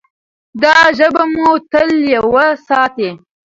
دا ژبه به مو تل یوه ساتي.